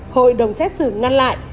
hội đồng xét xử ngăn lại